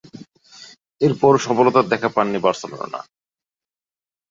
এরপরও সফলতার দেখা পায়নি বার্সেলোনা।